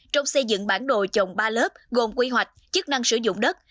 trong xây dựng bản đồ chồng ba lớp gồm quy hoạch chức năng sử dụng đất